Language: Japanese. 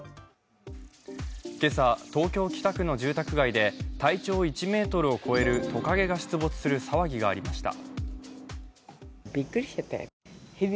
今朝、東京・北区の住宅街で体長１ｍを超えるトカゲが出没する騒ぎがありました。